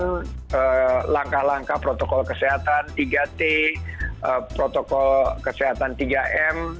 dengan langkah langkah protokol kesehatan tiga t protokol kesehatan tiga m